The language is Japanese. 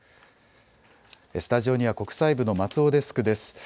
スタジオには国際部の松尾デスクです。